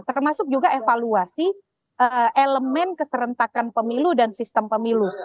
termasuk juga evaluasi elemen keserentakan pemilu dan sistem pemilu